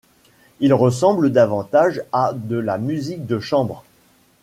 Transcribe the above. Il ressemble davantage à de la musique de chambre.